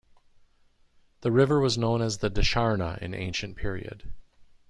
The river was known as the "Dasharna" in ancient period.